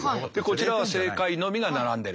こちらは正解のみが並んでる。